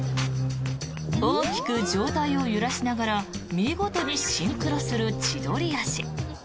大きく上体を揺らしながら見事にシンクロする千鳥足。